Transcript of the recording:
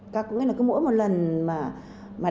các nghĩa là cứ mỗi một lần mà đánh